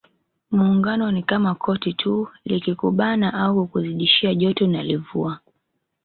Muungano ni kama koti tu likikubana au kukuzidishia joto unalivua